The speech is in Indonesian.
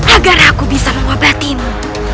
agar aku bisa mengobatinu